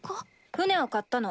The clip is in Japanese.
船を買ったの。